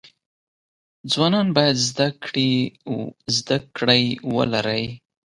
ځوانان باید زده کړی ولری